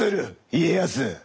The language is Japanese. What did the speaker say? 家康。